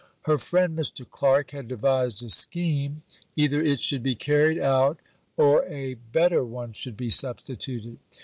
Her friend, Mr. Clark, had devised a scheme; either it should be carried out, or a better one should be substituted.